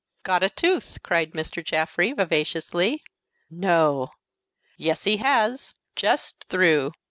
"Got a tooth!" cried Mr. Jaffrey, vivaciously. "No!" "Yes, he has! Just through.